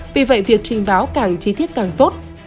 vì vậy việc trình báo càng chi tiết càng tốt